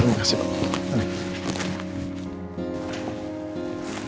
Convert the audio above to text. terima kasih pak